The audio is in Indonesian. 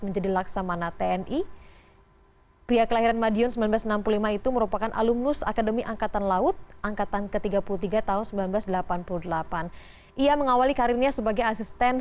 persiapan penandatanganan berita acara penandatanganan berita acara penandatanganan